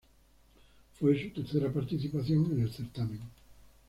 Fue su tercera participación en el certamen.